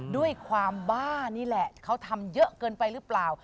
ด้วยความบ้านี่แหละเขาทำเยอะเกินไปหรือเปล่า